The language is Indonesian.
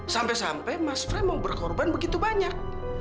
sampai sampai mas frem mau berkorban begitu banyak